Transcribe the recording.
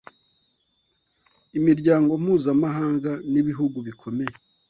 Imiryango mpuzamahanga n’ibihugu bikomeye